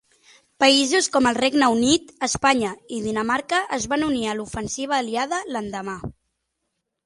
Països com el Regne Unit, Espanya i Dinamarca es van unir a l'ofensiva aliada l'endemà.